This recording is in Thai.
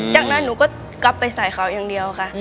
จากนั้นหนูก็ก๊อบไปใส่เขาเดียวค่ะ